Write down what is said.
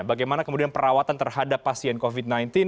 bagaimana kemudian perawatan terhadap pasien covid sembilan belas